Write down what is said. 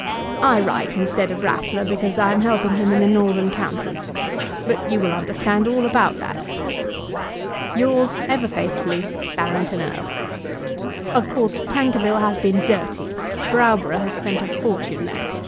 I write instead of Ratler, because I am helping him in the Northern Counties. But you will understand all about that. Yours, ever faithfully, BARRINGTON ERLE. Of course Tankerville has been dirty. Browborough has spent a fortune there.